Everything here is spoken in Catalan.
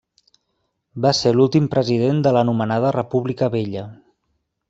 Va ser l'últim president de l'anomenada República Vella.